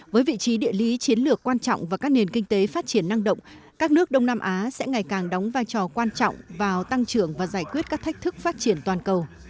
với vị trí địa lý chiến lược quan trọng và các nền kinh tế phát triển năng động các nước đông nam á sẽ ngày càng đóng vai trò quan trọng vào tăng trưởng và giải quyết các thách thức phát triển toàn cầu